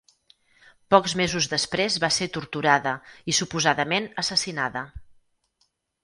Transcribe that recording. Pocs mesos després va ser torturada i suposadament assassinada.